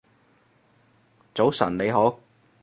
早晨你好